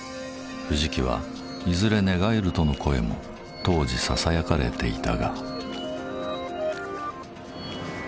藤木はいずれ寝返るとの声も当時ささやかれていたが。